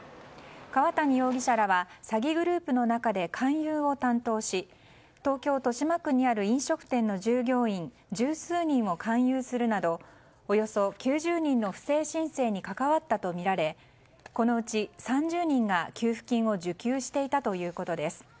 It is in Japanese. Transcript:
川谷容疑者らは詐欺グループの中で勧誘を担当し東京・豊島区にある飲食店の従業員十数人を勧誘するなどおよそ９０人の不正申請に関わったとみられこのうち３０人が給付金を受給していたということです。